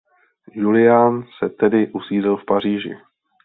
Julián se tedy usídlil v Paříži.